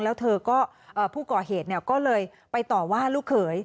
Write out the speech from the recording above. แล้วเธอก็ผู้ก่อเหตุก็เลยไปต่อว่าลูกเขย